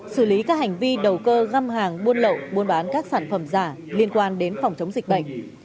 xử lý các hành vi đầu cơ găm hàng buôn lậu buôn bán các sản phẩm giả liên quan đến phòng chống dịch bệnh